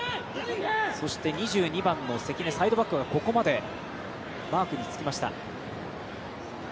そして、２２番の関根サイドバイサイドがここまでマークにつきました。